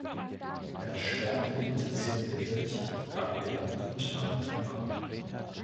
Er stärkte die Position der Kirche, gab ihr Land und damit Einkommen.